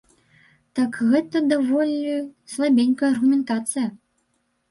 Так, гэта даволі слабенькая аргументацыя.